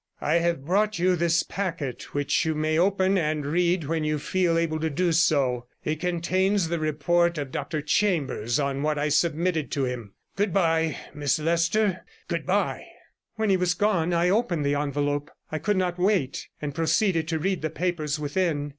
I have brought you this packet, which you may open and read when you feel able to do so. It contains the report of Dr Chambers on what I submitted to him. Goodbye, Miss Leicester, goodbye.' When he was gone I opened the envelope; I could not wait, and proceeded to read the papers within.